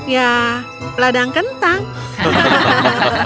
ya ladang kentang